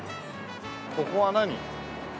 ここは何？